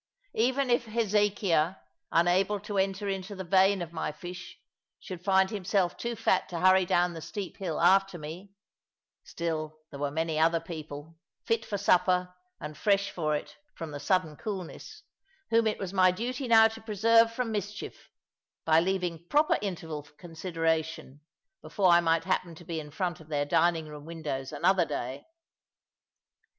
Even if Hezekiah, unable to enter into the vein of my fish, should find himself too fat to hurry down the steep hill after me, still there were many other people, fit for supper, and fresh for it, from the sudden coolness, whom it was my duty now to preserve from mischief; by leaving proper interval for consideration, before I might happen to be in front of their dining room windows another day.